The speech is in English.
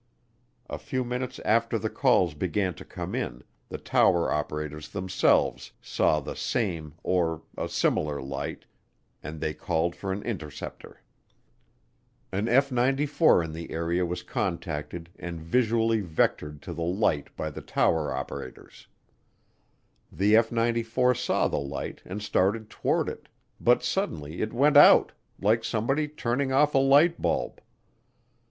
A few minutes after the calls began to come in, the tower operators themselves saw the same or a similar light and they called for an interceptor. An F 94 in the area was contacted and visually vectored to the light by the tower operators. The F 94 saw the light and started toward it, but suddenly it went out, "like somebody turning off a light bulb."